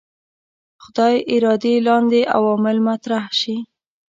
خدای ارادې لاندې عوامل مطرح شي.